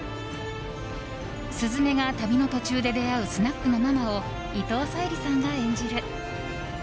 鈴芽が旅の途中で出会うスナックのママを伊藤沙莉さんが演じる。